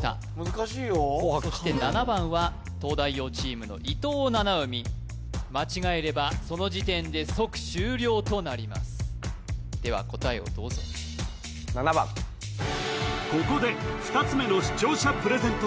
難しいよそして７番は東大王チームの伊藤七海となりますでは答えをどうぞここで２つ目の視聴者プレゼント